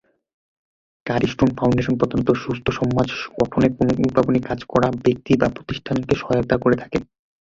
কারি Stone Foundation প্রধানত সুস্থ সমাজ গঠনে কোনো উদ্ভাবনী কাজ করা ব্যক্তি বা প্রতিষ্ঠানকে সহায়তা করে থাকে।